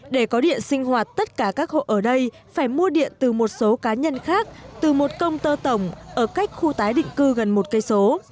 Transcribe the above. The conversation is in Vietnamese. để có điện sinh hoạt tất cả các hộ ở đây phải mua điện từ một số cá nhân khác từ một công tơ tổng ở cách khu tái định cư gần một cây số